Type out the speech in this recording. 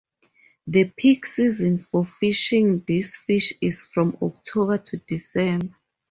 The peak season for fishing this fish is from October to December.